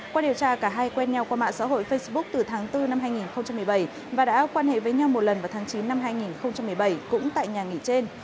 qua điều tra cả hai quen nhau qua mạng xã hội facebook từ tháng bốn năm hai nghìn một mươi bảy và đã quan hệ với nhau một lần vào tháng chín năm hai nghìn một mươi bảy cũng tại nhà nghỉ trên